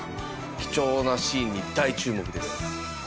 貴重なシーンに大注目です。